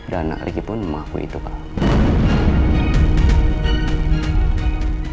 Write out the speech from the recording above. karena riki pun mengaku itu kak